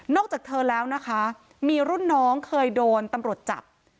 จากเธอแล้วนะคะมีรุ่นน้องเคยโดนตำรวจจับ